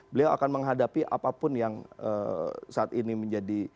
beliau akan menghadapi apapun yang saat ini menjadi